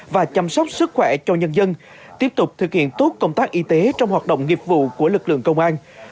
và chăm sóc sức khỏe cho nhân dân tiếp tục thực hiện tốt công tác y tế trong hoạt động nghiệp vụ của lực lượng công an